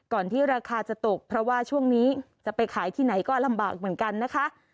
ที่ราคาจะตกเพราะว่าช่วงนี้จะไปขายที่ไหนก็ลำบากเหมือนกันนะคะ